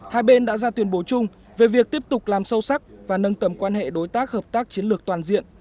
hai bên đã ra tuyên bố chung về việc tiếp tục làm sâu sắc và nâng tầm quan hệ đối tác hợp tác chiến lược toàn diện